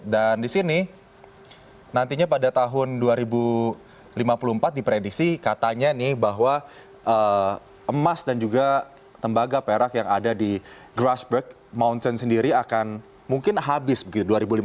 dan di sini nantinya pada tahun dua ribu lima puluh empat dipredisi katanya nih bahwa emas dan juga tembaga perak yang ada di grassberg mountain sendiri akan mungkin habis begitu